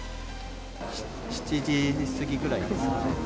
７時過ぎぐらいですかね。